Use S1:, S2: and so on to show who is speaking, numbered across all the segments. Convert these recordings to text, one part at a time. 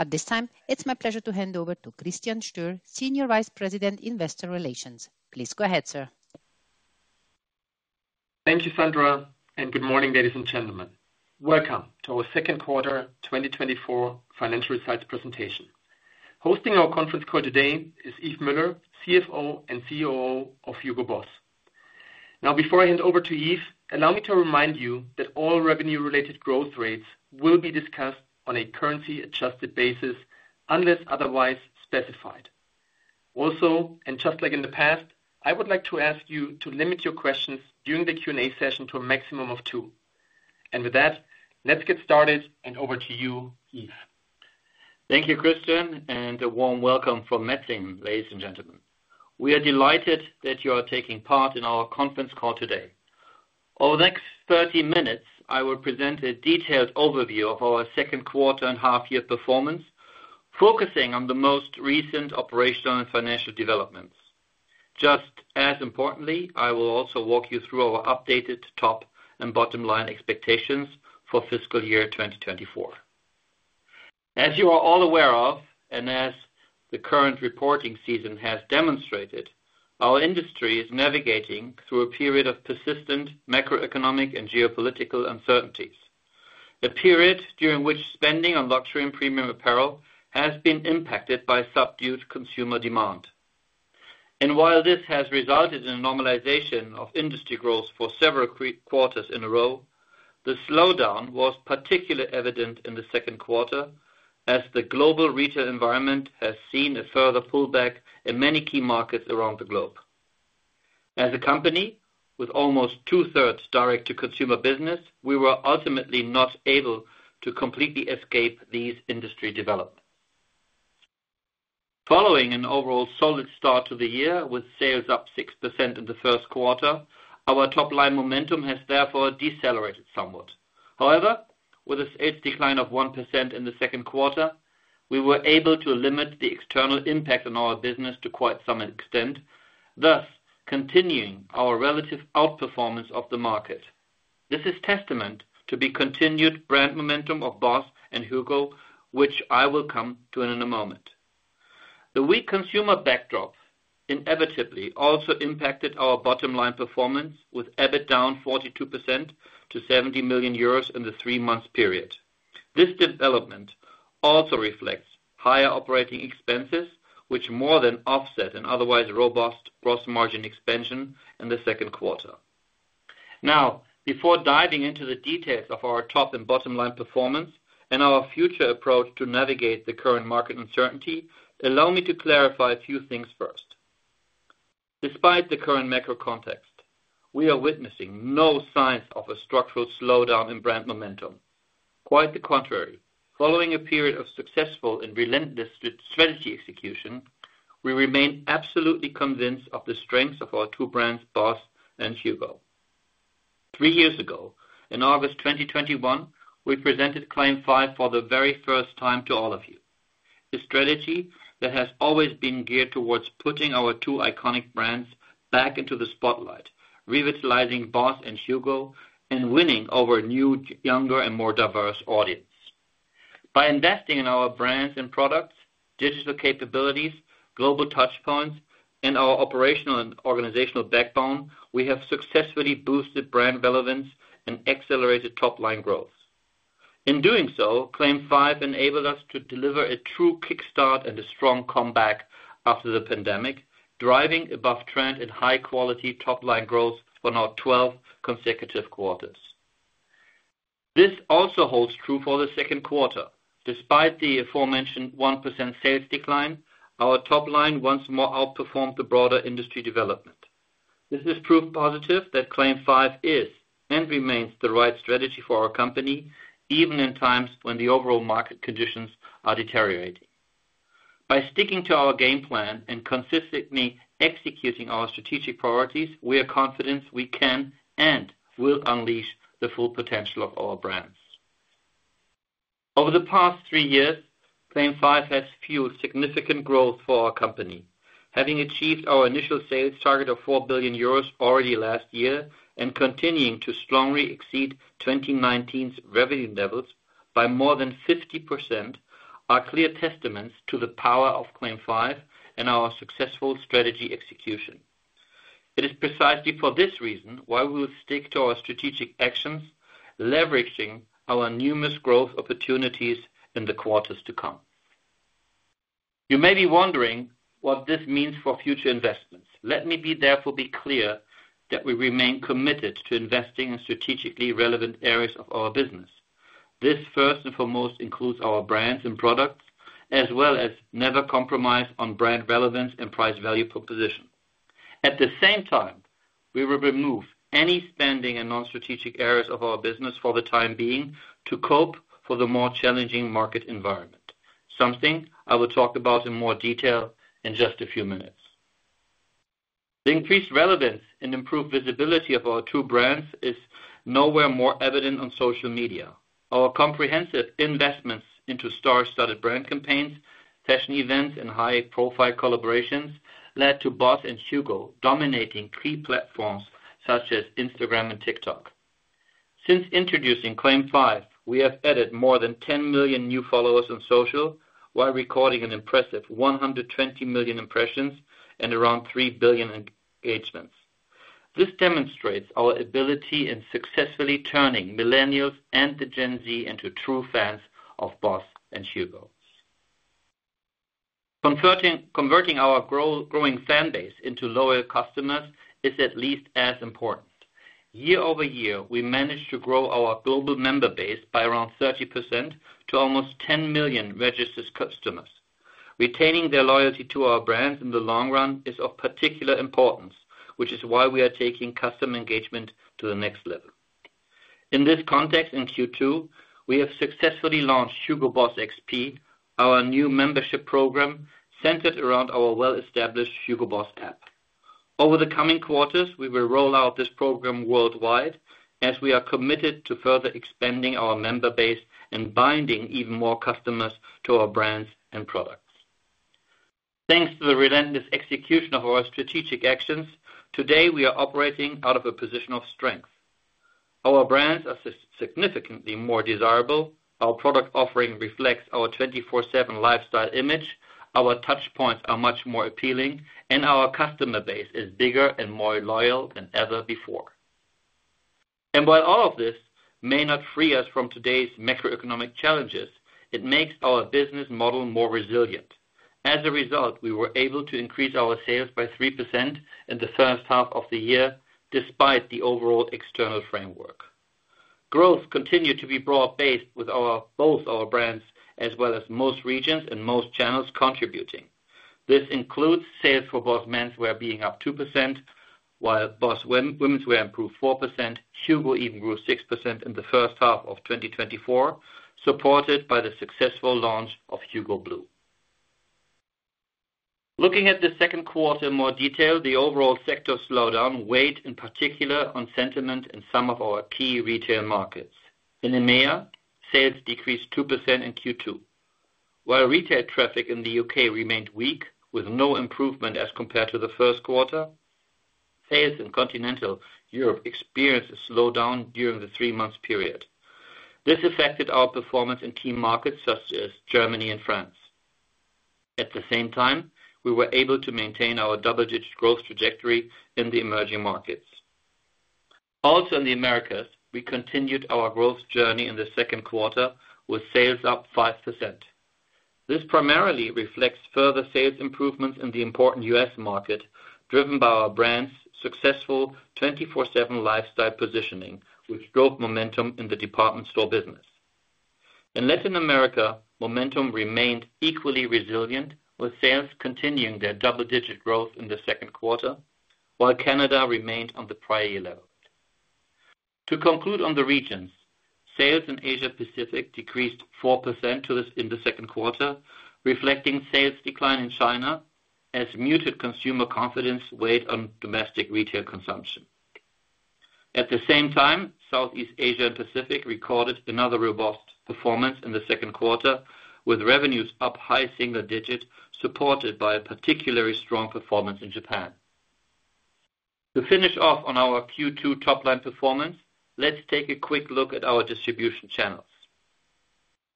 S1: At this time, it's my pleasure to hand over to Christian Stöhr, Senior Vice President, Investor Relations. Please go ahead, sir.
S2: Thank you, Sandra, and good morning, ladies and gentlemen. Welcome to our Second Quarter 2024 Financial Results Presentation. Hosting our conference call today is Yves Müller, CFO and COO of HUGO BOSS. Now, before I hand over to Yves, allow me to remind you that all revenue-related growth rates will be discussed on a currency-adjusted basis unless otherwise specified. Also, and just like in the past, I would like to ask you to limit your questions during the Q&A session to a maximum of two. With that, let's get started and over to you, Yves.
S3: Thank you, Christian, and a warm welcome from Metzingen, ladies and gentlemen. We are delighted that you are taking part in our conference call today. Over the next 30 minutes, I will present a detailed overview of our second quarter and half-year performance, focusing on the most recent operational and financial developments. Just as importantly, I will also walk you through our updated top and bottom line expectations for fiscal year 2024. As you are all aware of, and as the current reporting season has demonstrated, our industry is navigating through a period of persistent macroeconomic and geopolitical uncertainties. A period during which spending on luxury and premium apparel has been impacted by subdued consumer demand. While this has resulted in a normalization of industry growth for several quarters in a row, the slowdown was particularly evident in the second quarter, as the global retail environment has seen a further pullback in many key markets around the globe. As a company with almost 2/3 direct-to-consumer business, we were ultimately not able to completely escape these industry developments. Following an overall solid start to the year with sales up 6% in the first quarter, our top-line momentum has therefore decelerated somewhat. However, with its decline of 1% in the second quarter, we were able to limit the external impact on our business to quite some extent, thus continuing our relative outperformance of the market. This is testament to the continued brand momentum of BOSS and HUGO, which I will come to in a moment. The weak consumer backdrop inevitably also impacted our bottom line performance, with EBIT down 42% to 70 million euros in the three-month period. This development also reflects higher operating expenses, which more than offset an otherwise robust gross margin expansion in the second quarter. Now, before diving into the details of our top and bottom line performance and our future approach to navigate the current market uncertainty, allow me to clarify a few things first. Despite the current macro context, we are witnessing no signs of a structural slowdown in brand momentum. Quite the contrary, following a period of successful and relentless strategy execution, we remain absolutely convinced of the strengths of our two brands, BOSS and HUGO. Three years ago, in August 2021, we presented CLAIM 5 for the very first time to all of you. A strategy that has always been geared towards putting our two iconic brands back into the spotlight, revitalizing BOSS and HUGO, and winning over a new, younger, and more diverse audience. By investing in our brands and products, digital capabilities, global touchpoints, and our operational and organizational backbone, we have successfully boosted brand relevance and accelerated top-line growth. In doing so, CLAIM 5 enabled us to deliver a true kickstart and a strong comeback after the pandemic, driving above-trend and high-quality top-line growth for now 12 consecutive quarters. This also holds true for the second quarter. Despite the aforementioned 1% sales decline, our top line once more outperformed the broader industry development. This is proof positive that CLAIM 5 is and remains the right strategy for our company, even in times when the overall market conditions are deteriorating. By sticking to our game plan and consistently executing our strategic priorities, we are confident we can and will unleash the full potential of our brands. Over the past three years, CLAIM 5 has fueled significant growth for our company. Having achieved our initial sales target of 4 billion euros already last year and continuing to strongly exceed 2019's revenue levels by more than 50%, are clear testaments to the power of CLAIM 5 and our successful strategy execution. It is precisely for this reason why we will stick to our strategic actions, leveraging our numerous growth opportunities in the quarters to come. You may be wondering what this means for future investments. Let me be therefore be clear that we remain committed to investing in strategically relevant areas of our business. This, first and foremost, includes our brands and products, as well as never compromise on brand relevance and price-value proposition. At the same time, we will remove any spending in non-strategic areas of our business for the time being to cope for the more challenging market environment, something I will talk about in more detail in just a few minutes. The increased relevance and improved visibility of our two brands is nowhere more evident on social media. Our comprehensive investments into star-studded brand campaigns, fashion events, and high-profile collaborations led to BOSS and HUGO dominating key platforms such as Instagram and TikTok. Since introducing CLAIM 5, we have added more than 10 million new followers on social while recording an impressive 120 million impressions and around 3 billion engagements. This demonstrates our ability in successfully turning Millennials and the Gen Z into true fans of BOSS and HUGO. Converting our growing fan base into loyal customers is at least as important. Year-over-year, we managed to grow our global member base by around 30% to almost 10 million registered customers. Retaining their loyalty to our brands in the long run is of particular importance, which is why we are taking customer engagement to the next level. In this context, in Q2, we have successfully launched HUGO BOSS XP, our new membership program centered around our well-established HUGO BOSS app. Over the coming quarters, we will roll out this program worldwide, as we are committed to further expanding our member base and binding even more customers to our brands and products. Thanks to the relentless execution of our strategic actions, today we are operating out of a position of strength. Our brands are significantly more desirable, our product offering reflects our 24/7 lifestyle image, our touchpoints are much more appealing, and our customer base is bigger and more loyal than ever before. And while all of this may not free us from today's macroeconomic challenges, it makes our business model more resilient. As a result, we were able to increase our sales by 3% in the first half of the year, despite the overall external framework. Growth continued to be broad-based with both our brands, as well as most regions and most channels contributing. This includes sales for BOSS menswear being up 2%, while BOSS womenswear improved 4%. HUGO even grew 6% in the first half of 2024, supported by the successful launch of HUGO BLUE. Looking at the second quarter in more detail, the overall sector slowdown weighed in particular on sentiment in some of our key retail markets. In EMEA, sales decreased 2% in Q2. While retail traffic in the U.K. remained weak, with no improvement as compared to the first quarter, sales in Continental Europe experienced a slowdown during the three-month period. This affected our performance in key markets such as Germany and France. At the same time, we were able to maintain our double-digit growth trajectory in the emerging markets. Also in the Americas, we continued our growth journey in the second quarter, with sales up 5%. This primarily reflects further sales improvements in the important U.S. market, driven by our brand's successful 24/7 lifestyle positioning, which drove momentum in the department store business. In Latin America, momentum remained equally resilient, with sales continuing their double-digit growth in the second quarter, while Canada remained on the prior year level. To conclude on the regions, sales in Asia-Pacific decreased 4% in the second quarter, reflecting sales decline in China, as muted consumer confidence weighed on domestic retail consumption. At the same time, Southeast Asia and Pacific recorded another robust performance in the second quarter, with revenues up high single digits, supported by a particularly strong performance in Japan. To finish off on our Q2 top-line performance, let's take a quick look at our distribution channels.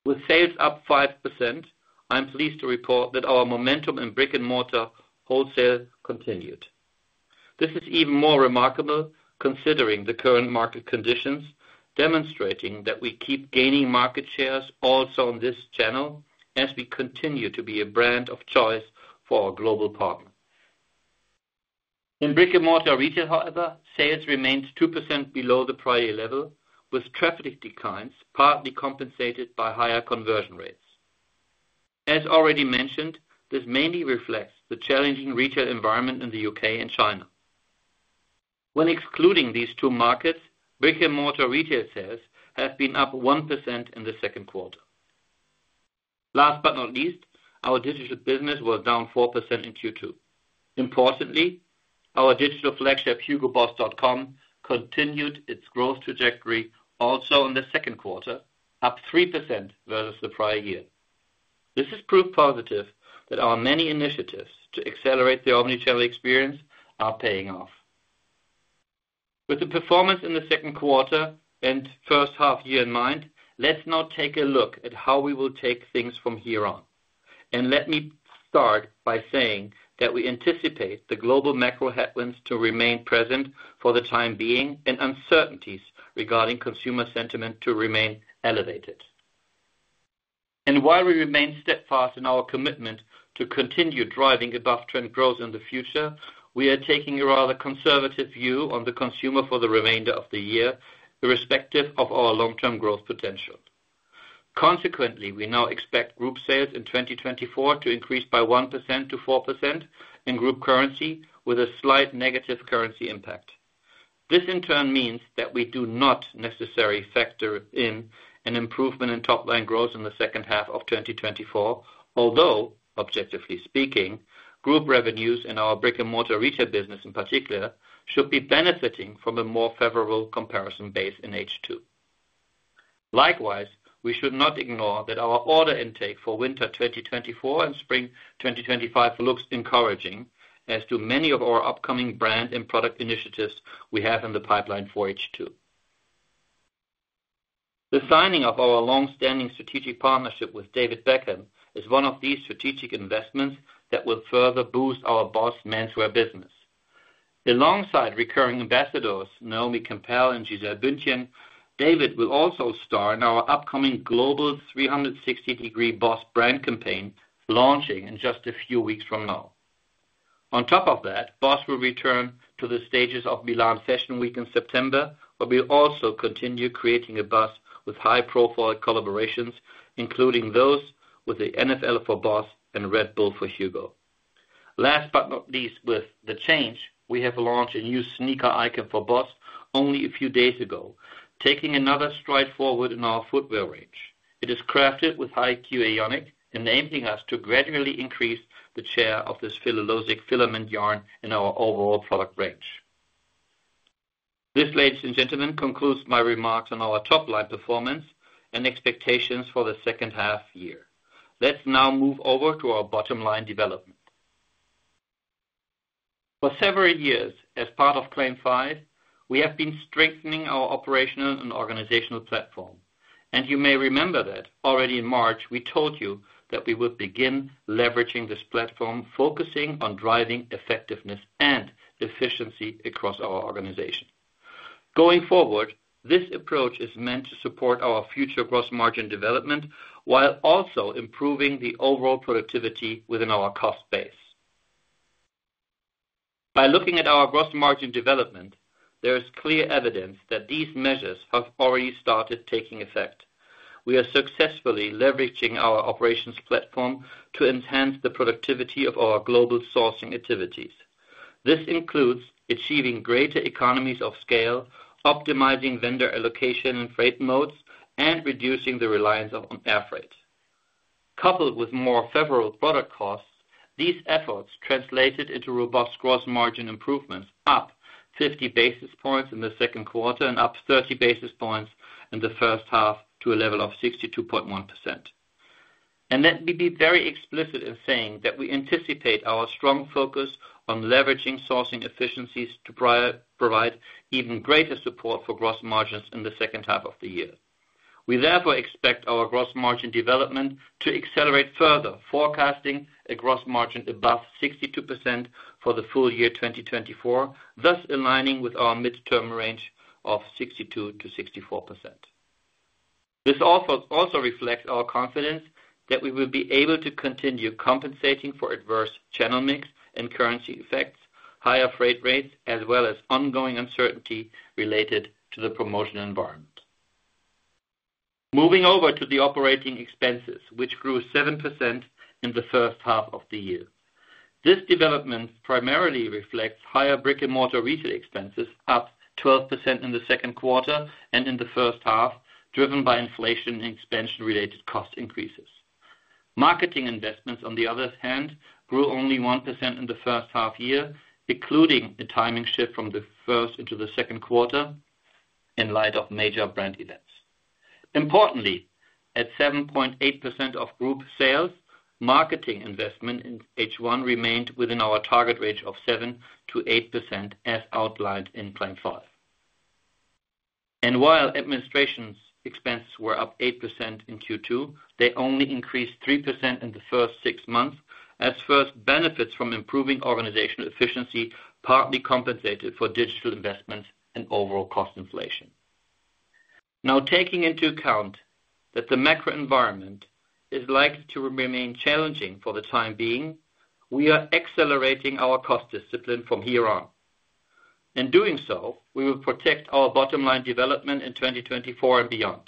S3: With sales up 5%, I'm pleased to report that our momentum in brick-and-mortar wholesale continued. This is even more remarkable considering the current market conditions, demonstrating that we keep gaining market shares also on this channel, as we continue to be a brand of choice for our global partner. In brick-and-mortar retail, however, sales remained 2% below the prior year level, with traffic declines partly compensated by higher conversion rates. As already mentioned, this mainly reflects the challenging retail environment in the U.K. and China. When excluding these two markets, brick-and-mortar retail sales have been up 1% in the second quarter. Last but not least, our digital business was down 4% in Q2. Importantly, our digital flagship, hugoboss.com, continued its growth trajectory also in the second quarter, up 3% versus the prior year. This is proof positive that our many initiatives to accelerate the omnichannel experience are paying off. With the performance in the second quarter and first half year in mind, let's now take a look at how we will take things from here on. And let me start by saying that we anticipate the global macro headwinds to remain present for the time being, and uncertainties regarding consumer sentiment to remain elevated. While we remain steadfast in our commitment to continue driving above-trend growth in the future, we are taking a rather conservative view on the consumer for the remainder of the year, irrespective of our long-term growth potential. Consequently, we now expect group sales in 2024 to increase by 1%-4% in group currency, with a slight negative currency impact. This, in turn, means that we do not necessarily factor in an improvement in top-line growth in the second half of 2024, although, objectively speaking, group revenues in our brick-and-mortar retail business in particular should be benefiting from a more favorable comparison base in H2. Likewise, we should not ignore that our order intake for winter 2024 and spring 2025 looks encouraging as to many of our upcoming brand and product initiatives we have in the pipeline for H2. The signing of our long-standing strategic partnership with David Beckham is one of these strategic investments that will further boost our BOSS menswear business. Alongside recurring ambassadors Naomi Campbell and Gisele Bündchen, David will also star in our upcoming global 360-degree BOSS brand campaign, launching in just a few weeks from now. On top of that, BOSS will return to the stages of Milan Fashion Week in September, where we also continue creating a BOSS with high-profile collaborations, including those with the NFL for BOSS and Red Bull for HUGO. Last but not least, with THE CHANGE, we have launched a new sneaker icon for BOSS only a few days ago, taking another stride forward in our footwear range. It is crafted with HeiQ AeoniQ and aiming us to gradually increase the share of this cellulosic filament yarn in our overall product range. This, ladies and gentlemen, concludes my remarks on our top-line performance and expectations for the second half year. Let's now move over to our bottom line development. For several years, as part of CLAIM 5, we have been strengthening our operational and organizational platform. You may remember that already in March, we told you that we would begin leveraging this platform, focusing on driving effectiveness and efficiency across our organization. Going forward, this approach is meant to support our future gross margin development while also improving the overall productivity within our cost base. By looking at our gross margin development, there is clear evidence that these measures have already started taking effect. We are successfully leveraging our operations platform to enhance the productivity of our global sourcing activities. This includes achieving greater economies of scale, optimizing vendor allocation and freight modes, and reducing the reliance on air freight. Coupled with more favorable product costs, these efforts translated into robust gross margin improvements up 50 basis points in the second quarter and up 30 basis points in the first half to a level of 62.1%. And let me be very explicit in saying that we anticipate our strong focus on leveraging sourcing efficiencies to provide even greater support for gross margins in the second half of the year. We therefore expect our gross margin development to accelerate further, forecasting a gross margin above 62% for the full year 2024, thus aligning with our midterm range of 62%-64%. This also reflects our confidence that we will be able to continue compensating for adverse channel mix and currency effects, higher freight rates, as well as ongoing uncertainty related to the promotion environment. Moving over to the operating expenses, which grew 7% in the first half of the year. This development primarily reflects higher brick-and-mortar retail expenses up 12% in the second quarter and in the first half, driven by inflation and expansion-related cost increases. Marketing investments, on the other hand, grew only 1% in the first half year, including a timing shift from the first into the second quarter in light of major brand events. Importantly, at 7.8% of group sales, marketing investment in H1 remained within our target range of 7%-8%, as outlined in CLAIM 5. While administration expenses were up 8% in Q2, they only increased 3% in the first six months, as first benefits from improving organizational efficiency partly compensated for digital investments and overall cost inflation. Now, taking into account that the macro environment is likely to remain challenging for the time being, we are accelerating our cost discipline from here on. In doing so, we will protect our bottom line development in 2024 and beyond.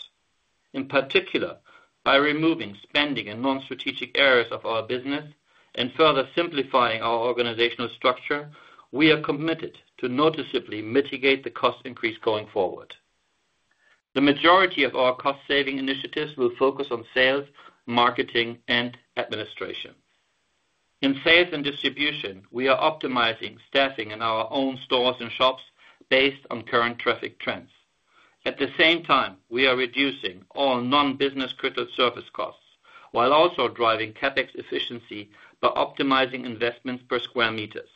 S3: In particular, by removing spending and non-strategic areas of our business and further simplifying our organizational structure, we are committed to noticeably mitigate the cost increase going forward. The majority of our cost-saving initiatives will focus on sales, marketing, and administration. In sales and distribution, we are optimizing staffing in our own stores and shops based on current traffic trends. At the same time, we are reducing all non-business critical service costs, while also driving CapEx efficiency by optimizing investments per square meters.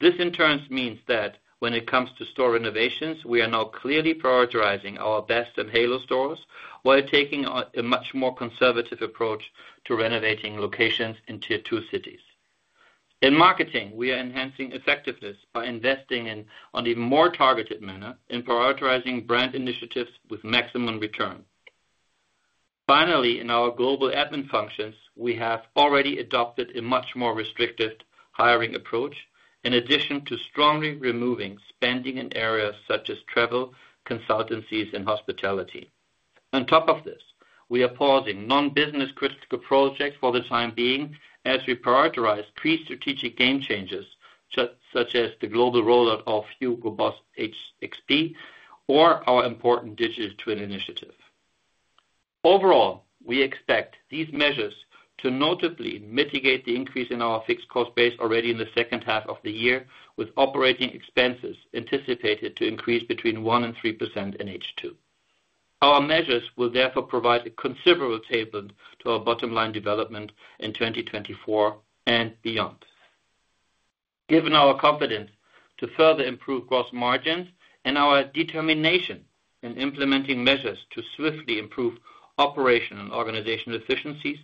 S3: This, in turn, means that when it comes to store renovations, we are now clearly prioritizing our best-in-class Halo stores, while taking a much more conservative approach to renovating locations in Tier 2 cities. In marketing, we are enhancing effectiveness by investing in a more targeted manner in prioritizing brand initiatives with maximum return. Finally, in our global admin functions, we have already adopted a much more restrictive hiring approach, in addition to strongly removing spending in areas such as travel, consultancies, and hospitality. On top of this, we are pausing non-business critical projects for the time being, as we prioritize key strategic game changers, such as the global rollout of HUGO BOSS XP or our important digital twin initiative. Overall, we expect these measures to notably mitigate the increase in our fixed cost base already in the second half of the year, with operating expenses anticipated to increase between 1% and 3% in H2. Our measures will therefore provide a considerable tailwind to our bottom line development in 2024 and beyond. Given our confidence to further improve gross margins and our determination in implementing measures to swiftly improve operational and organizational efficiencies,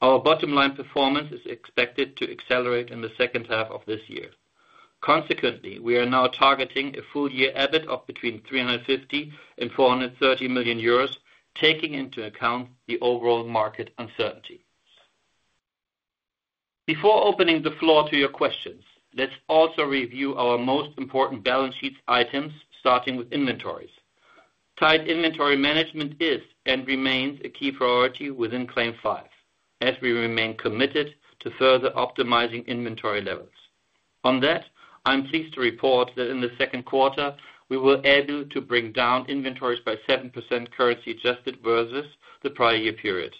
S3: our bottom line performance is expected to accelerate in the second half of this year. Consequently, we are now targeting a full year EBIT of between 350 million-430 million euros, taking into account the overall market uncertainty. Before opening the floor to your questions, let's also review our most important balance sheet items, starting with inventories. Tight inventory management is and remains a key priority within CLAIM 5, as we remain committed to further optimizing inventory levels. On that, I'm pleased to report that in the second quarter, we were able to bring down inventories by 7% currency adjusted versus the prior year period,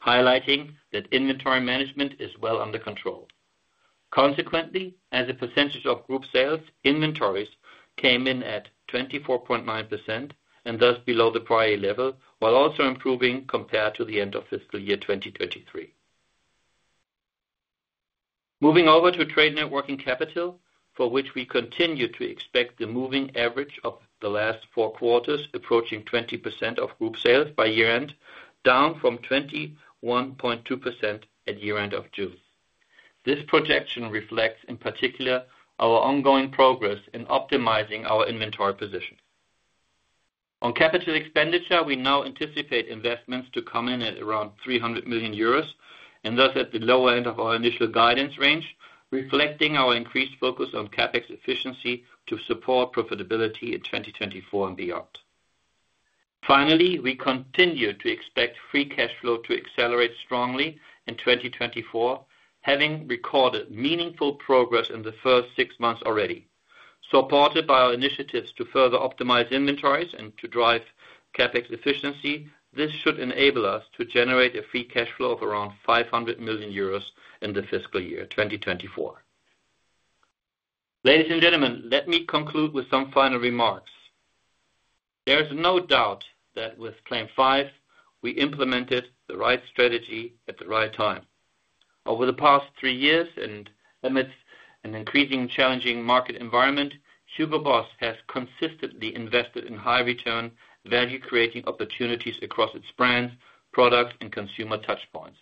S3: highlighting that inventory management is well under control. Consequently, as a percentage of group sales, inventories came in at 24.9% and thus below the prior year level, while also improving compared to the end of fiscal year 2023. Moving over to trade net working capital, for which we continue to expect the moving average of the last four quarters approaching 20% of group sales by year-end, down from 21.2% at year-end of June. This projection reflects, in particular, our ongoing progress in optimizing our inventory position. On capital expenditure, we now anticipate investments to come in at around 300 million euros, and thus at the lower end of our initial guidance range, reflecting our increased focus on CapEx efficiency to support profitability in 2024 and beyond. Finally, we continue to expect free cash flow to accelerate strongly in 2024, having recorded meaningful progress in the first six months already. Supported by our initiatives to further optimize inventories and to drive CapEx efficiency, this should enable us to generate a free cash flow of around 500 million euros in the fiscal year 2024. Ladies and gentlemen, let me conclude with some final remarks. There is no doubt that with CLAIM 5, we implemented the right strategy at the right time. Over the past three years, and amidst an increasingly challenging market environment, HUGO BOSS has consistently invested in high-return, value-creating opportunities across its brands, products, and consumer touchpoints.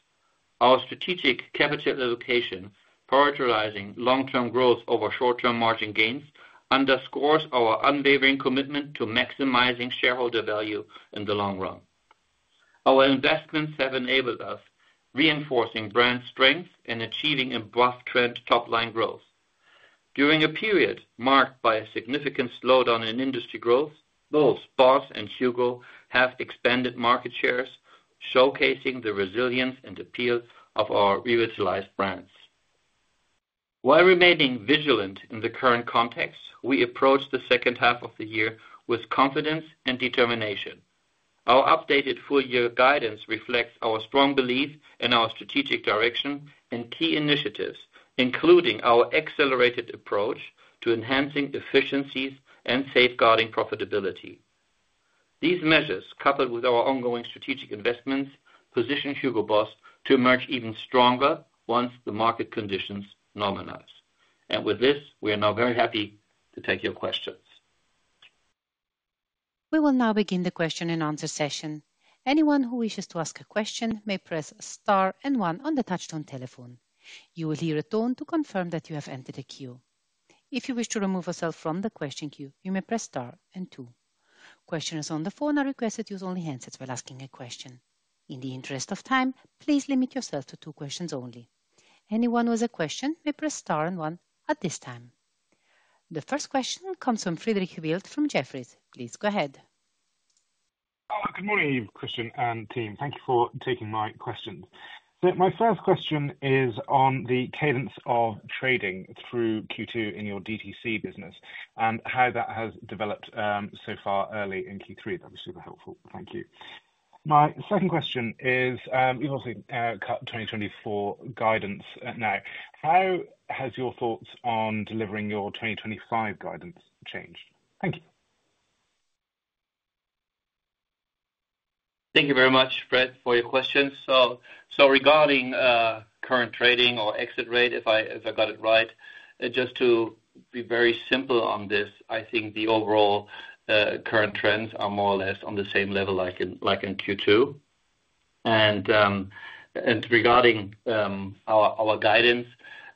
S3: Our strategic capital allocation, prioritizing long-term growth over short-term margin gains, underscores our unwavering commitment to maximizing shareholder value in the long run. Our investments have enabled us to reinforce brand strength and achieve above-trend top-line growth. During a period marked by a significant slowdown in industry growth, both BOSS and HUGO have expanded market shares, showcasing the resilience and appeal of our revitalized brands. While remaining vigilant in the current context, we approach the second half of the year with confidence and determination. Our updated full-year guidance reflects our strong belief in our strategic direction and key initiatives, including our accelerated approach to enhancing efficiencies and safeguarding profitability. These measures, coupled with our ongoing strategic investments, position HUGO BOSS to emerge even stronger once the market conditions normalize. With this, we are now very happy to take your questions.
S1: We will now begin the question and answer session. Anyone who wishes to ask a question may press star and one on the touch-tone telephone. You will hear a tone to confirm that you have entered a queue. If you wish to remove yourself from the question queue, you may press star and two. Questioners on the phone are requested to use only handsets while asking a question. In the interest of time, please limit yourself to two questions only. Anyone with a question may press star and one at this time. The first question comes from Frederick Wild from Jefferies. Please go ahead.
S4: Good morning, Christian, and team. Thank you for taking my question. My first question is on the cadence of trading through Q2 in your DTC business and how that has developed so far early in Q3. That was super helpful. Thank you. My second question is, you've also cut 2024 guidance now. How has your thoughts on delivering your 2025 guidance changed? Thank you.
S3: Thank you very much, Fred, for your question. Regarding current trading or exit rate, if I got it right, just to be very simple on this, I think the overall current trends are more or less on the same level like in Q2. Regarding our guidance,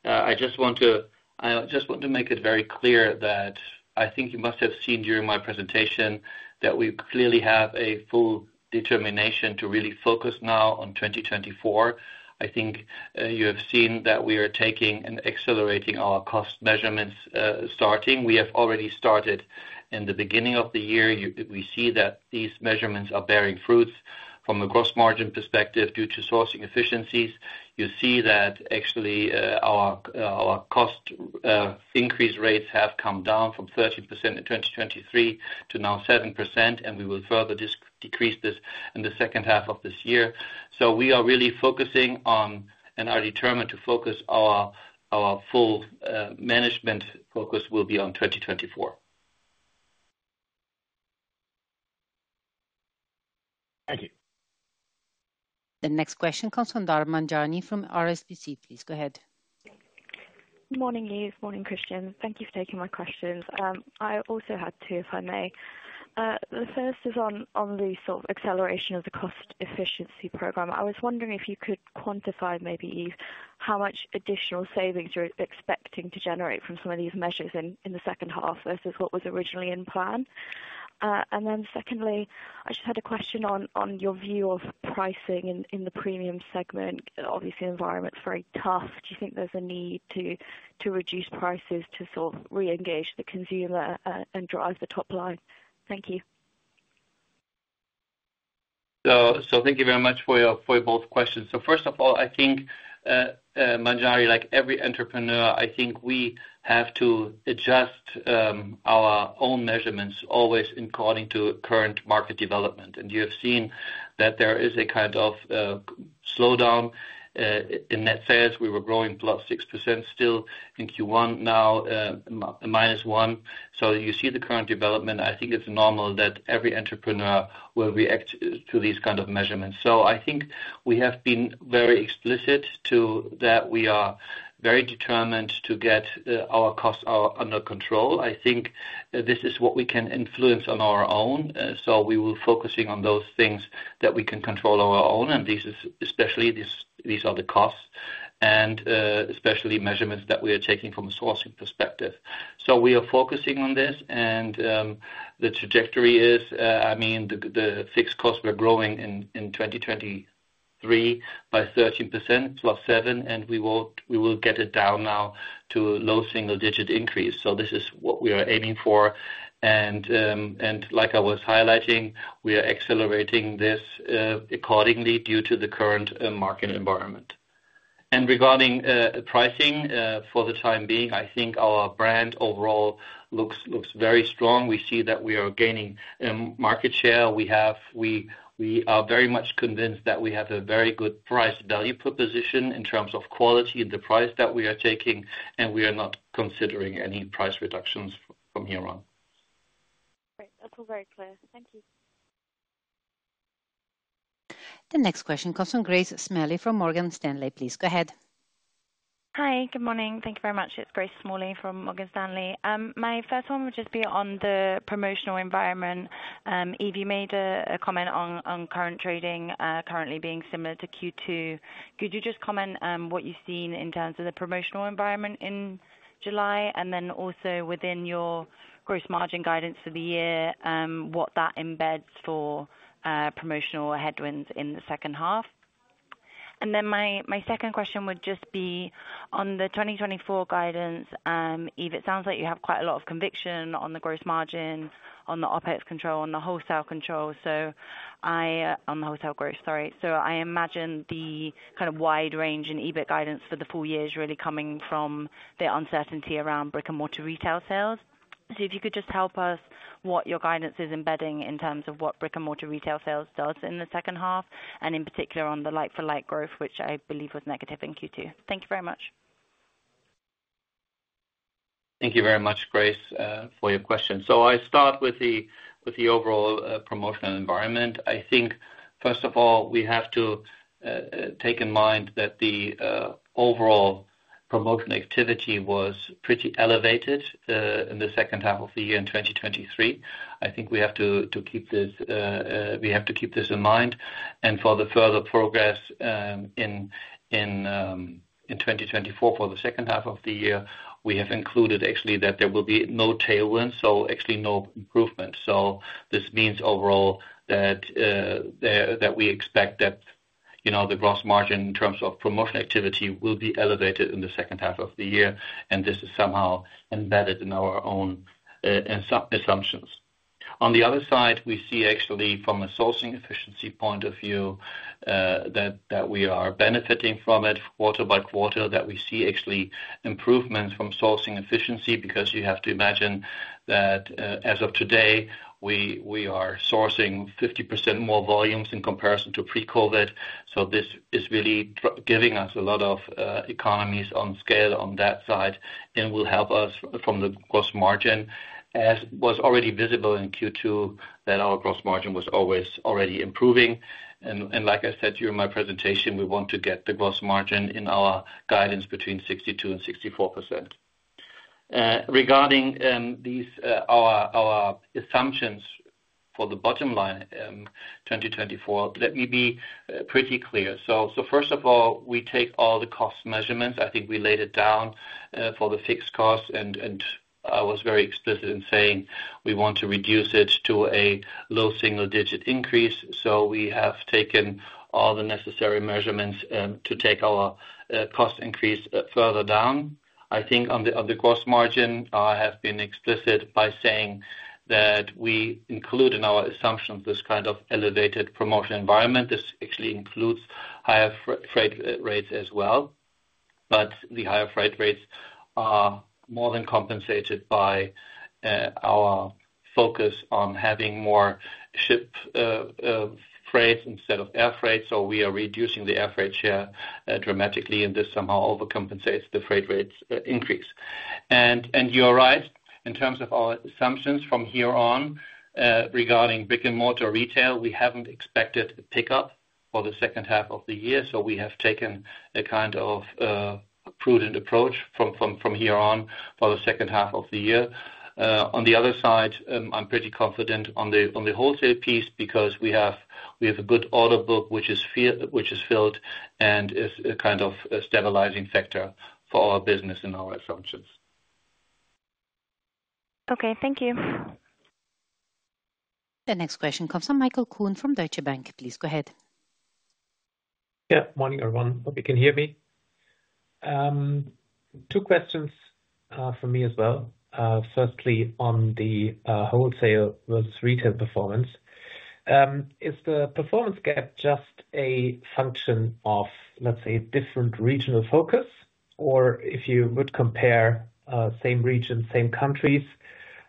S3: I just want to make it very clear that I think you must have seen during my presentation that we clearly have a full determination to really focus now on 2024. I think you have seen that we are taking and accelerating our cost measurements starting. We have already started in the beginning of the year. We see that these measurements are bearing fruits from a gross margin perspective due to sourcing efficiencies. You see that actually our cost increase rates have come down from 13% in 2023 to now 7%, and we will further decrease this in the second half of this year. So we are really focusing on and are determined to focus our full management focus will be on 2024.
S4: Thank you.
S1: The next question comes from Dhar Manjari from RBC. Please go ahead.
S5: Good morning, Yves. Morning, Christian. Thank you for taking my questions. I also had two, if I may. The first is on the sort of acceleration of the cost efficiency program. I was wondering if you could quantify, maybe, Yves, how much additional savings you're expecting to generate from some of these measures in the second half versus what was originally in plan. And then secondly, I just had a question on your view of pricing in the premium segment. Obviously, the environment's very tough. Do you think there's a need to reduce prices to sort of re-engage the consumer and drive the top line? Thank you.
S3: So thank you very much for your both questions. So first of all, I think, like every entrepreneur, I think we have to adjust our own measurements always according to current market development. And you have seen that there is a kind of slowdown in net sales. We were growing +6% still in Q1, now -1%. So you see the current development. I think it's normal that every entrepreneur will react to these kinds of measurements. So I think we have been very explicit to that we are very determined to get our costs under control. I think this is what we can influence on our own. So we will be focusing on those things that we can control on our own. And especially these are the costs, and especially measurements that we are taking from a sourcing perspective. So we are focusing on this. And the trajectory is, I mean, the fixed costs were growing in 2023 by 13% +7%, and we will get it down now to a low single-digit increase. So this is what we are aiming for. And like I was highlighting, we are accelerating this accordingly due to the current market environment. And regarding pricing for the time being, I think our brand overall looks very strong. We see that we are gaining market share. We are very much convinced that we have a very good price-value proposition in terms of quality and the price that we are taking, and we are not considering any price reductions from here on.
S5: Great. That's all very clear. Thank you.
S1: The next question comes from Grace Smalley from Morgan Stanley. Please go ahead.
S6: Hi. Good morning. Thank you very much. It's Grace Smalley from Morgan Stanley. My first one would just be on the promotional environment. Yves, you made a comment on current trading currently being similar to Q2. Could you just comment on what you've seen in terms of the promotional environment in July and then also within your gross margin guidance for the year, what that embeds for promotional headwinds in the second half? And then my second question would just be on the 2024 guidance. Yves, it sounds like you have quite a lot of conviction on the gross margin, on the OpEx control, on the wholesale control. So I on the wholesale growth, sorry. So I imagine the kind of wide range in EBIT guidance for the full year is really coming from the uncertainty around brick-and-mortar retail sales. So if you could just help us what your guidance is embedding in terms of what brick-and-mortar retail sales does in the second half, and in particular on the like-for-like growth, which I believe was negative in Q2. Thank you very much.
S3: Thank you very much, Grace, for your question. So I start with the overall promotional environment. I think, first of all, we have to take in mind that the overall promotion activity was pretty elevated in the second half of the year in 2023. I think we have to keep this in mind. And for the further progress in 2024 for the second half of the year, we have included actually that there will be no tailwinds, so actually no improvement. So this means overall that we expect that the gross margin in terms of promotion activity will be elevated in the second half of the year, and this is somehow embedded in our own assumptions. On the other side, we see actually from a sourcing efficiency point of view that we are benefiting from it quarter by quarter, that we see actually improvements from sourcing efficiency because you have to imagine that as of today, we are sourcing 50% more volumes in comparison to pre-COVID. So this is really giving us a lot of economies of scale on that side and will help us from the gross margin, as was already visible in Q2, that our gross margin was always already improving. And like I said during my presentation, we want to get the gross margin in our guidance between 62% and 64%. Regarding our assumptions for the bottom line 2024, let me be pretty clear. So first of all, we take all the cost measurements. I think we laid it down for the fixed cost, and I was very explicit in saying we want to reduce it to a low single-digit increase. So we have taken all the necessary measurements to take our cost increase further down. I think on the gross margin, I have been explicit by saying that we include in our assumptions this kind of elevated promotion environment. This actually includes higher freight rates as well. But the higher freight rates are more than compensated by our focus on having more ship freight instead of air freight. So we are reducing the air freight share dramatically, and this somehow overcompensates the freight rates increase. And you're right. In terms of our assumptions from here on, regarding brick-and-mortar retail, we haven't expected a pickup for the second half of the year. So we have taken a kind of prudent approach from here on for the second half of the year. On the other side, I'm pretty confident on the wholesale piece because we have a good order book which is filled and is a kind of stabilizing factor for our business and our assumptions.
S6: Okay. Thank you.
S1: The next question comes from Michael Kuhn from Deutsche Bank. Please go ahead.
S7: Yeah. Morning, everyone. Hope you can hear me. Two questions for me as well. Firstly, on the wholesale versus retail performance. Is the performance gap just a function of, let's say, different regional focus? Or if you would compare same region, same countries,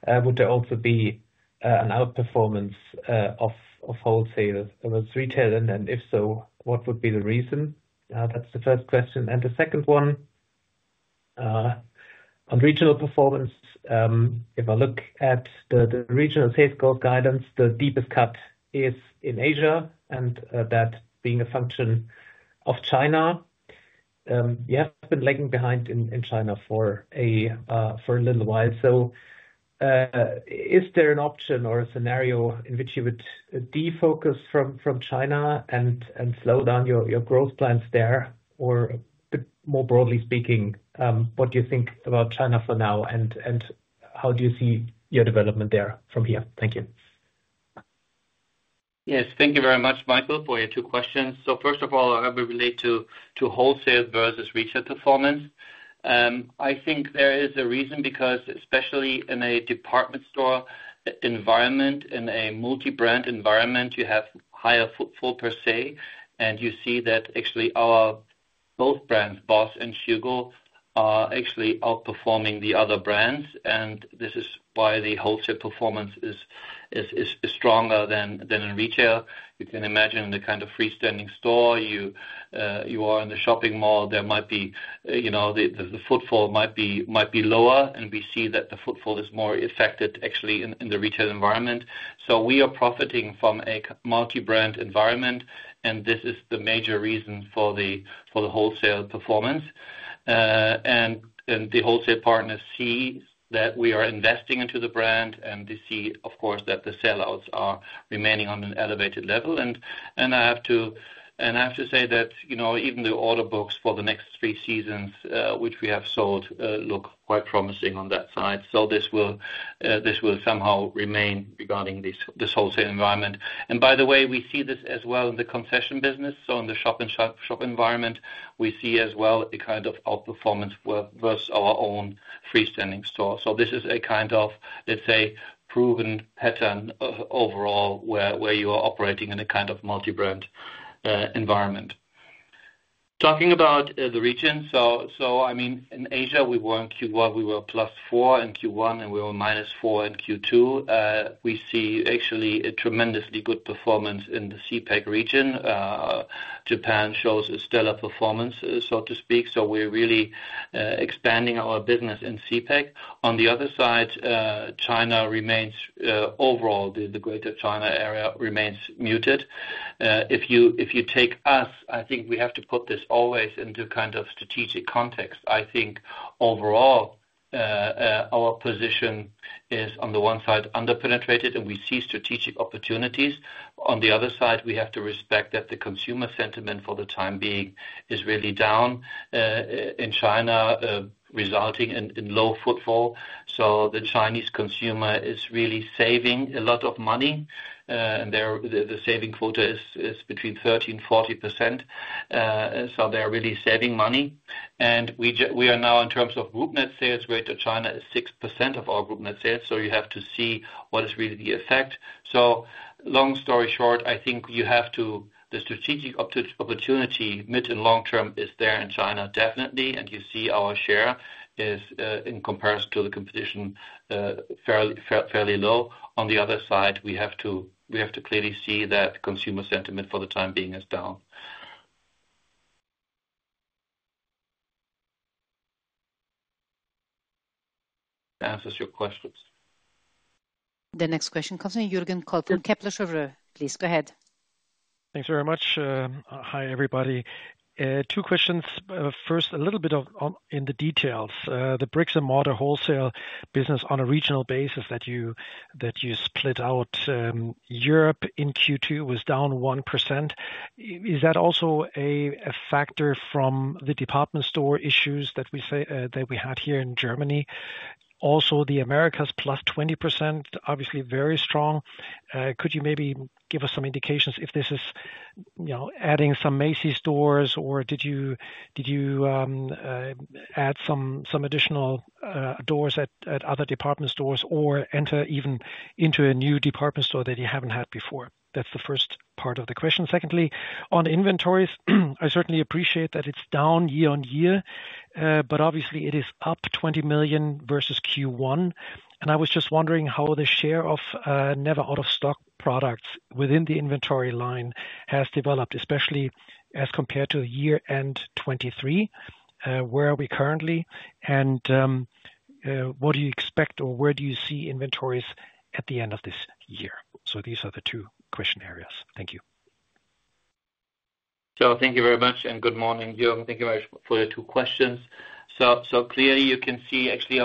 S7: would there also be an outperformance of wholesale versus retail? If so, what would be the reason? That's the first question. The second one, on regional performance, if I look at the regional sales growth guidance, the deepest cut is in Asia, and that being a function of China. You have been lagging behind in China for a little while. So is there an option or a scenario in which you would defocus from China and slow down your growth plans there? Or more broadly speaking, what do you think about China for now, and how do you see your development there from here? Thank you.
S3: Yes. Thank you very much, Michael, for your two questions. First of all, I would relate to wholesale versus retail performance. I think there is a reason because especially in a department store environment, in a multi-brand environment, you have higher footfall per se. You see that actually our both brands, BOSS and HUGO, are actually outperforming the other brands. This is why the wholesale performance is stronger than in retail. You can imagine in the kind of freestanding store, you are in the shopping mall, there might be the footfall might be lower, and we see that the footfall is more affected actually in the retail environment. So we are profiting from a multi-brand environment, and this is the major reason for the wholesale performance. The wholesale partners see that we are investing into the brand, and they see, of course, that the sellouts are remaining on an elevated level. I have to say that even the order books for the next three seasons, which we have sold, look quite promising on that side. So this will somehow remain regarding this wholesale environment. And by the way, we see this as well in the concession business. So in the shop-in-shop environment, we see as well a kind of outperformance versus our own freestanding store. So this is a kind of, let's say, proven pattern overall where you are operating in a kind of multi-brand environment. Talking about the region, so I mean, in Asia, we were in Q1, we were +4% in Q1, and we were -4% in Q2. We see actually a tremendously good performance in the APAC region. Japan shows a stellar performance, so to speak. So we're really expanding our business in APAC. On the other side, China remains overall, the Greater China area remains muted. If you take us, I think we have to put this always into kind of strategic context. I think overall, our position is on the one side underpenetrated, and we see strategic opportunities. On the other side, we have to respect that the consumer sentiment for the time being is really down in China, resulting in low footfall. So the Chinese consumer is really saving a lot of money. And the saving quota is between 30%-40%. So they're really saving money. And we are now, in terms of group net sales, Greater China is 6% of our group net sales. So you have to see what is really the effect. So long story short, I think you have to the strategic opportunity mid and long term is there in China, definitely. And you see our share is, in comparison to the competition, fairly low. On the other side, we have to clearly see that consumer sentiment for the time being is down. That answers your questions.
S1: The next question comes from Jürgen Kolb, Kepler Cheuvreux. Please go ahead.
S8: Thanks very much. Hi, everybody. Two questions. First, a little bit in the details. The brick-and-mortar wholesale business on a regional basis that you split out, Europe in Q2 was down 1%. Is that also a factor from the department store issues that we had here in Germany? Also, the Americas +20%, obviously very strong. Could you maybe give us some indications if this is adding some Macy's stores, or did you add some additional doors at other department stores or enter even into a new department store that you haven't had before? That's the first part of the question. Secondly, on inventories, I certainly appreciate that it's down year-over-year, but obviously it is up 20 million versus Q1. I was just wondering how the share of never-out-of-stock products within the inventory line has developed, especially as compared to year-end 2023. Where are we currently? And what do you expect or where do you see inventories at the end of this year? These are the two question areas. Thank you.
S3: Thank you very much, and good morning, Jürgen. Thank you very much for the two questions. Clearly, you can see actually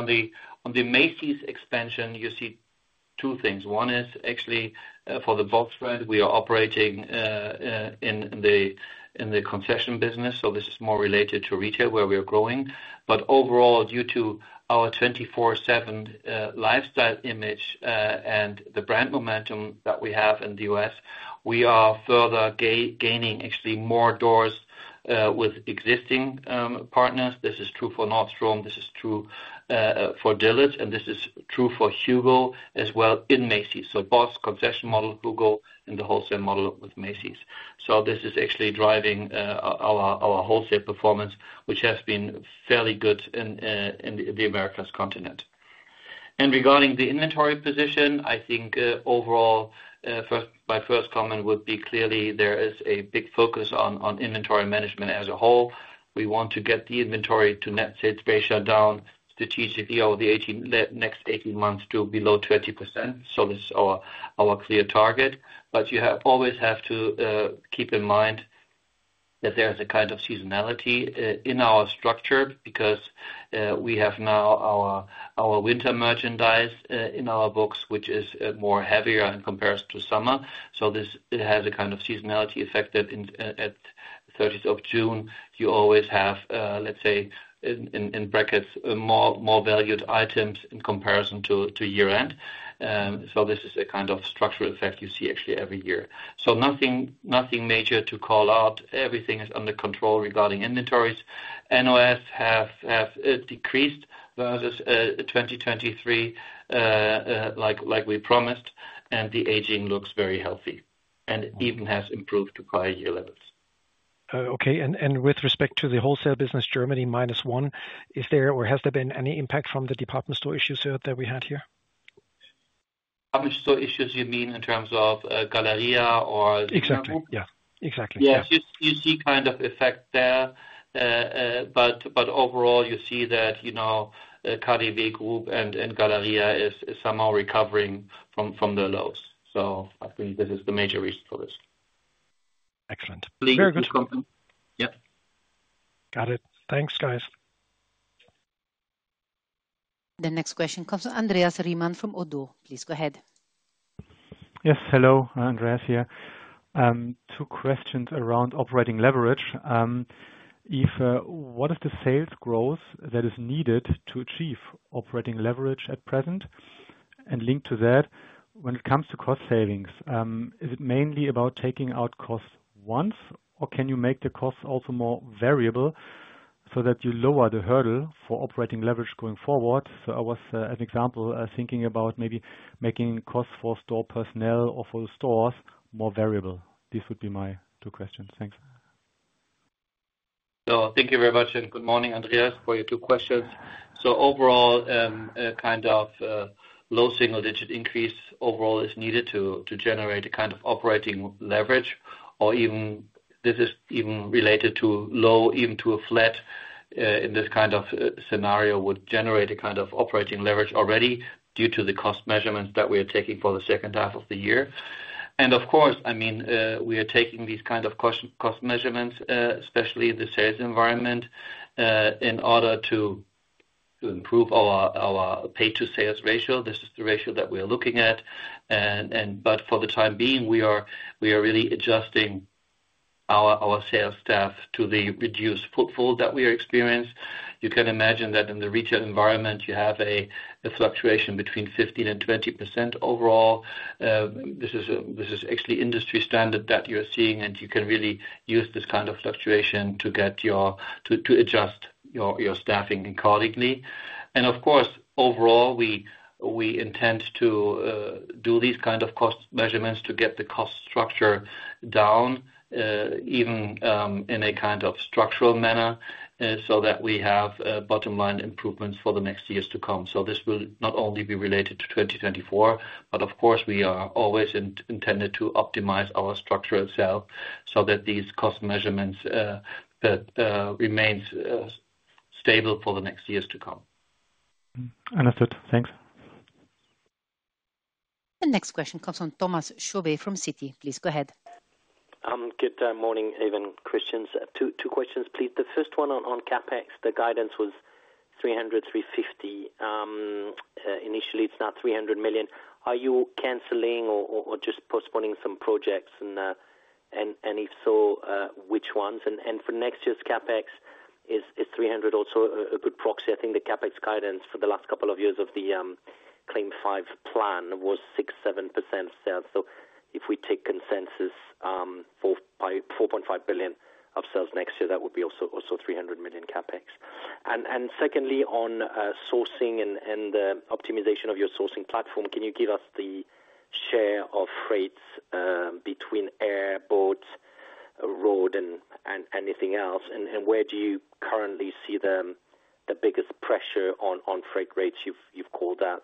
S3: on the Macy's expansion, you see two things. One is actually for the BOSS brand, we are operating in the concession business. This is more related to retail where we are growing. But overall, due to our 24/7 lifestyle image and the brand momentum that we have in the U.S., we are further gaining actually more doors with existing partners. This is true for Nordstrom. This is true for Dillard's, and this is true for HUGO as well in Macy's. So BOSS, concession model, HUGO, and the wholesale model with Macy's. So this is actually driving our wholesale performance, which has been fairly good in the Americas continent. And regarding the inventory position, I think overall, my first comment would be clearly there is a big focus on inventory management as a whole. We want to get the inventory to net sales ratio down strategically over the next 18 months to below 20%. So this is our clear target. But you always have to keep in mind that there is a kind of seasonality in our structure because we have now our winter merchandise in our books, which is more heavier in comparison to summer. So this has a kind of seasonality effect that at 30th of June, you always have, let's say, in brackets, more valued items in comparison to year-end. So this is a kind of structural effect you see actually every year. So nothing major to call out. Everything is under control regarding inventories. NOS have decreased versus 2023, like we promised, and the aging looks very healthy and even has improved to prior year levels.
S8: Okay. And with respect to the wholesale business, Germany minus one, is there or has there been any impact from the department store issues that we had here?
S3: Department store issues you mean in terms of Galeria or?
S8: Exactly. Yeah. Exactly. Yes.
S3: You see kind of effect there. But overall, you see that KaDeWe Group and Galeria is somehow recovering from their lows. So I think this is the major reason for this.
S8: Excellent. Very good.
S3: Yeah.
S8: Got it. Thanks, guys.
S1: The next question comes to Andreas Riemann from ODDO. Please go ahead.
S9: Yes. Hello, Andreas here. Two questions around operating leverage. What is the sales growth that is needed to achieve operating leverage at present? And linked to that, when it comes to cost savings, is it mainly about taking out costs once, or can you make the costs also more variable so that you lower the hurdle for operating leverage going forward? So I was, as an example, thinking about maybe making costs for store personnel or for the stores more variable. These would be my two questions. Thanks.
S3: So thank you very much and good morning, Andreas, for your two questions. So overall, kind of low single-digit increase overall is needed to generate a kind of operating leverage. Or, this is even related to low, even to a flat, in this kind of scenario would generate a kind of operating leverage already due to the cost measurements that we are taking for the second half of the year. And of course, I mean, we are taking these kind of cost measurements, especially in the sales environment, in order to improve our pay-to-sales ratio. This is the ratio that we are looking at. But for the time being, we are really adjusting our sales staff to the reduced footfall that we are experiencing. You can imagine that in the retail environment, you have a fluctuation between 15%-20% overall. This is actually industry standard that you're seeing, and you can really use this kind of fluctuation to adjust your staffing accordingly. And of course, overall, we intend to do these kind of cost measurements to get the cost structure down, even in a kind of structural manner, so that we have bottom-line improvements for the next years to come. So this will not only be related to 2024, but of course, we are always intended to optimize our structure itself so that these cost measurements remain stable for the next years to come.
S9: Understood. Thanks.
S1: The next question comes from Thomas Chauvet from Citi. Please go ahead.
S10: Good morning, Yves. Questions. Two questions, please. The first one on CapEx, the guidance was 300 million-350 million. Initially, it's now 300 million. Are you canceling or just postponing some projects? And if so, which ones? And for next year's CapEx, is 300 million also a good proxy? I think the CapEx guidance for the last couple of years of the CLAIM 5 plan was 6%-7% of sales. So if we take consensus for 4.5 billion in sales next year, that would be also 300 million CapEx. And secondly, on sourcing and the optimization of your sourcing platform, can you give us the share of freights between air, boat, road, and anything else? And where do you currently see the biggest pressure on freight rates? You've called that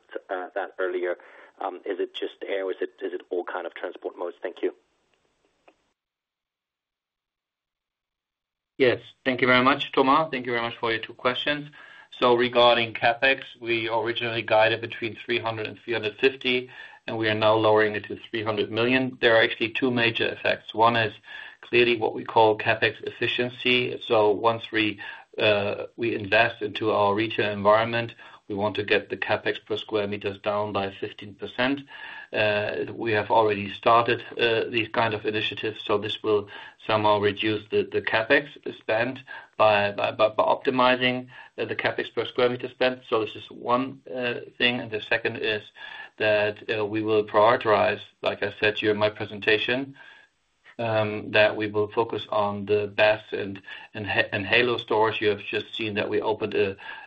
S10: earlier. Is it just air? Is it all kind of transport modes? Thank you.
S3: Yes. Thank you very much, Thomas. Thank you very much for your two questions. So regarding CapEx, we originally guided between 300 million and 350 million, and we are now lowering it to 300 million. There are actually two major effects. One is clearly what we call CapEx efficiency. So once we invest into our retail environment, we want to get the CapEx per square meter down by 15%. We have already started these kind of initiatives, so this will somehow reduce the CapEx spend by optimizing the CapEx per square meter spend. So this is one thing. And the second is that we will prioritize, like I said during my presentation, that we will focus on the BOSS and Halo stores. You have just seen that we opened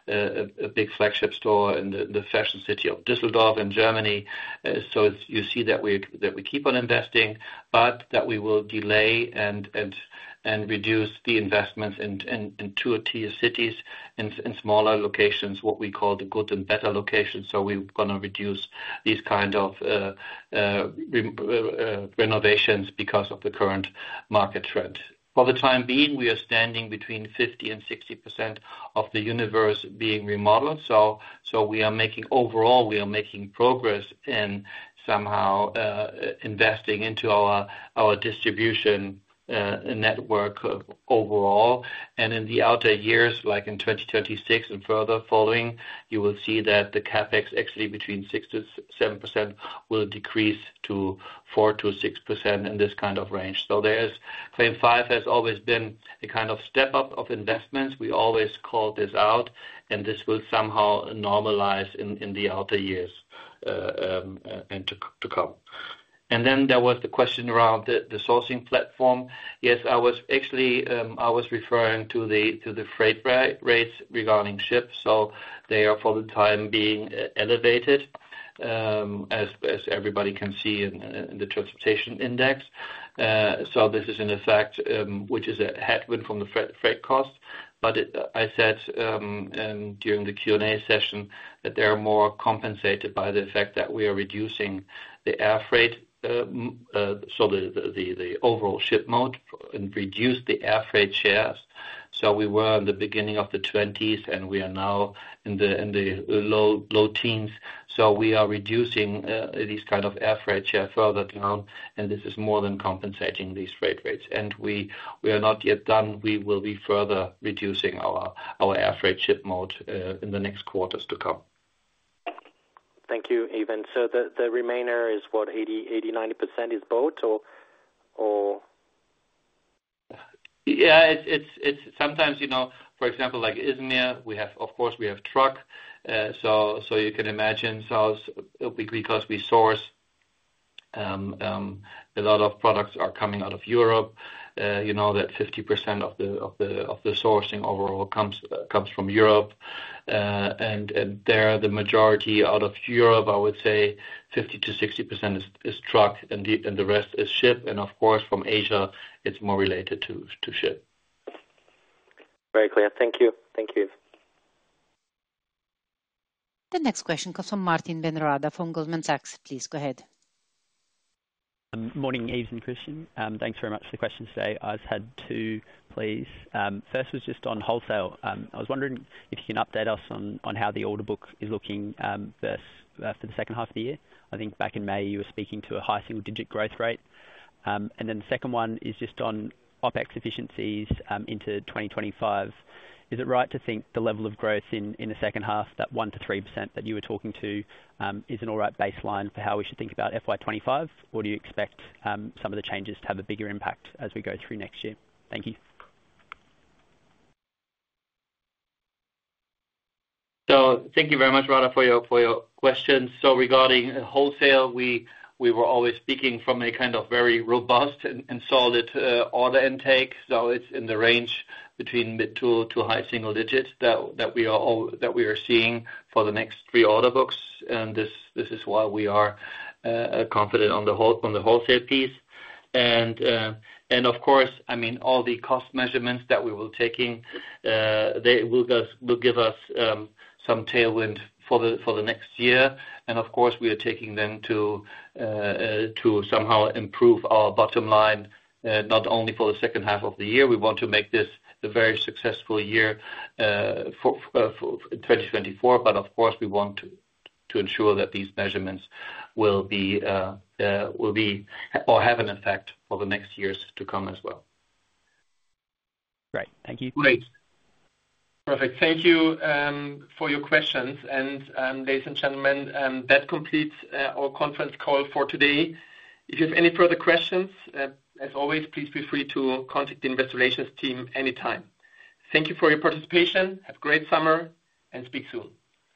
S3: a big flagship store in the fashion city of Düsseldorf in Germany. So you see that we keep on investing, but that we will delay and reduce the investments in two or three cities in smaller locations, what we call the good and better locations. So we're going to reduce these kind of renovations because of the current market trend. For the time being, we are standing between 50%-60% of the universe being remodeled. So overall, we are making progress in somehow investing into our distribution network overall. And in the outer years, like in 2026 and further following, you will see that the CapEx actually between 6%-7% will decrease to 4%-6% in this kind of range. So CLAIM 5 has always been a kind of step-up of investments. We always call this out, and this will somehow normalize in the outer years and to come. And then there was the question around the sourcing platform. Yes, I was actually referring to the freight rates regarding ships. So they are, for the time being, elevated, as everybody can see in the transportation index. So this is, in effect, which is a headwind from the freight costs. But I said during the Q&A session that they are more compensated by the fact that we are reducing the air freight, so the overall ship mode, and reduce the air freight shares. So we were in the beginning of the 20s, and we are now in the low teens. So we are reducing these kind of air freight shares further down, and this is more than compensating these freight rates. And we are not yet done. We will be further reducing our air freight ship mode in the next quarters to come.
S10: Thank you, Yves. So the remainder is what, 80%-90% is boat, or?
S3: Yeah. Sometimes, for example, like Izmir, of course, we have truck. So you can imagine because we source, a lot of products are coming out of Europe. You know that 50% of the sourcing overall comes from Europe. There, the majority out of Europe, I would say 50%-60% is truck, and the rest is ship. Of course, from Asia, it's more related to ship.
S10: Very clear. Thank you. Thank you.
S1: The next question comes from Martin Ben Rada from Goldman Sachs. Please go ahead.
S11: Morning, Yves and Christian. Thanks very much for the questions today. I was had two plays. First was just on wholesale. I was wondering if you can update us on how the order book is looking for the second half of the year. I think back in May, you were speaking to a high single-digit growth rate. Then the second one is just on OpEx efficiencies into 2025. Is it right to think the level of growth in the second half, that 1%-3% that you were talking to, is an all right baseline for how we should think about FY 2025? Or do you expect some of the changes to have a bigger impact as we go through next year? Thank you.
S3: So thank you very much, Rada, for your questions. So regarding wholesale, we were always speaking from a kind of very robust and solid order intake. So it's in the range between mid- to high-single digits that we are seeing for the next 3 order books. And this is why we are confident on the wholesale piece. And of course, I mean, all the cost measurements that we will take, they will give us some tailwind for the next year. Of course, we are taking them to somehow improve our bottom line, not only for the second half of the year. We want to make this a very successful year for 2024. But of course, we want to ensure that these measurements will be or have an effect for the next years to come as well.
S11: Great. Thank you.
S2: Great. Perfect. Thank you for your questions. And ladies and gentlemen, that completes our conference call for today. If you have any further questions, as always, please feel free to contact the Investor Relations team anytime. Thank you for your participation. Have a great summer and speak soon.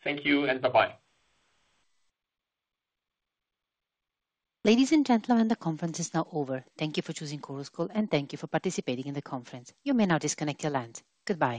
S2: Thank you and bye-bye.
S1: Ladies and gentlemen, the conference is now over. Thank you for choosing Chorus Call and thank you for participating in the conference. You may now disconnect your lines. Goodbye.